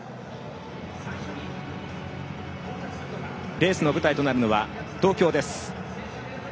レースの舞台となるのは東京です。